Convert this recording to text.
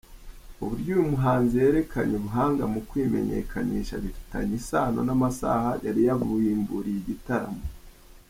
Uburyo uyu muhanzi yerekanye ubuhanga mu kwimenyekanisha bifitanye isano n’amasaha yari yabimburiye igitaramo.